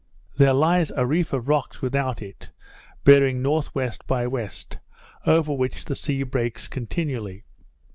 There lies a reef of rocks without it, bearing N.W. by W., over which the sea breaks continually.